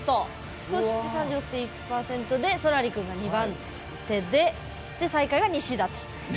そして３６．１％でＳＯＬＡＲＩ君が２番手で最下位がニシダと。